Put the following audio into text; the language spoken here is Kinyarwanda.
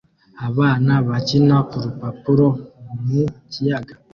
Abana bakina kurupapuro mu kiyaga